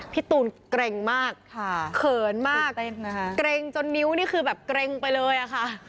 พี่ตูนเกร็งมากเขินมากเกร็งจนนิ้วนี่คือแบบเกร็งไปเลยอะค่ะ